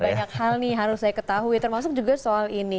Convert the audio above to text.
banyak hal nih harus saya ketahui termasuk juga soal ini